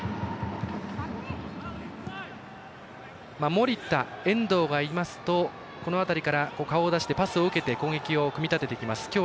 守田、遠藤がいますとこの辺りから顔を出してパスを受けて攻撃を組み立てていきます。